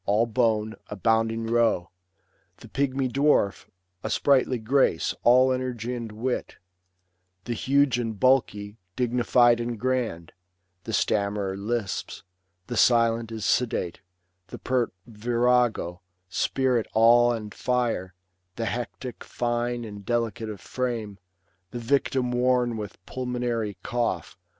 All bone, a bounding roe ; the pigmy dwarf, A sprightly grace, all energy and wit ; The huge and bulky, dignified and grand ; The stammerer lisps ; the silent is sedate ; The pert virago^ spirit all and fire ; The hectic, fine and delicate of frame ; The victim worn with pulmonary cough, 188 LUCRETIUS. B. IV. 1164—1196.